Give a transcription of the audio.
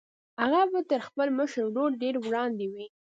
هغه به تر خپل مشر ورور ډېر وړاندې وي